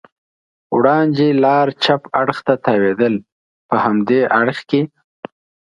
وړاندې لار چپ اړخ ته تاوېدل، په همدې اړخ کې.